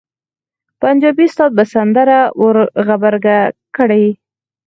پنجابي استاد به سندره ور غبرګه کړي.